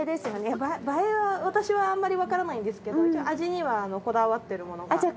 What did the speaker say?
映えは私はあんまりわからないんですけど味にはこだわってるものが。